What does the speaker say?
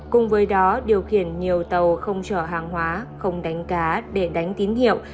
cùng với đó điều khiển nhiều tàu không chở hàng hóa không đánh cá để đánh tín hiệu